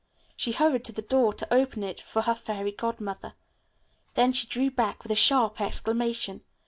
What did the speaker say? She hurried to the door to open it for her Fairy Godmother. Then she drew back with a sharp exclamation.